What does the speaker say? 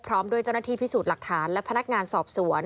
พร้อมด้วยเจ้าหน้าที่พิสูจน์หลักฐานและพนักงานสอบสวน